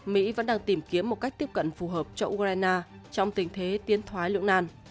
mỹ vẫn đang tìm kiếm một cách tiếp cận phù hợp cho ukraine trong tình thế tiến thoái lưỡng nàn